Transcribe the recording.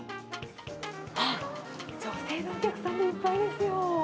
あっ、女性のお客さんでいっぱいですよ。